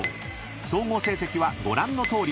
［総合成績はご覧のとおり］